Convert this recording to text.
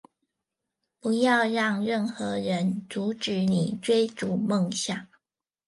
不要讓任何人阻止你追逐夢想